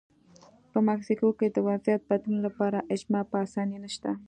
په مکسیکو کې د وضعیت بدلون لپاره اجماع په اسانۍ نشته.